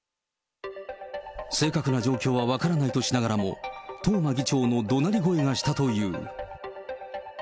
正確な状況は分からないとしながらも、東間議長のどなり声がしたという。